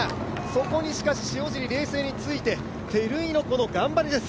そこに塩尻、冷静について、照井のこの頑張りです。